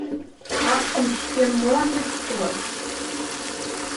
Такшым шкем молан лӱдыктылаш?